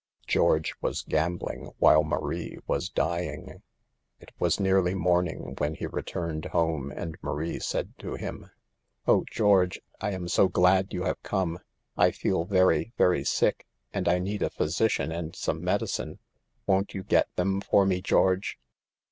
George was gambling while Marie was dying. It was nearly morning when he re turned home and Marie said to him : THE EVILS OF DANCING. 91 " Oh ; George, I am so glad you have come. I am very, very sick, and I need a physician and some medicine, Won't you get them for me, George